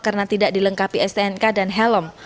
karena tidak dilengkapi stnk dan helm